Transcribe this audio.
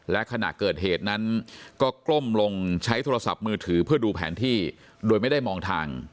และขณะเกิดเหตุนั้นก็ก้มลงใช้โทรศัพท์มือถือเพื่อดูแผนที่โดยไม่ได้มองทาง